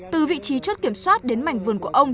từ vị trí chốt kiểm soát đến mảnh vườn của ông